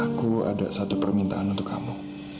aku ada satu permintaan untuk kamu